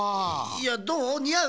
いやどう？にあう？